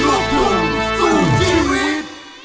เฝ้าเลิกกันแต่ว่าฉันนั้นแค่รอ